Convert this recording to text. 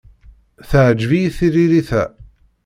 Teɛǧeb-iyi tririt-a.